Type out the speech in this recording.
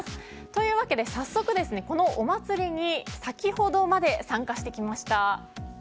というわけで早速このお祭りに先ほどまで参加してきました。